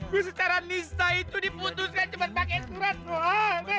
gue secara nista itu diputuskan cuma pakai surat loh